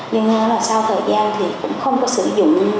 nhưng mà sau thời gian thì cũng không có sử dụng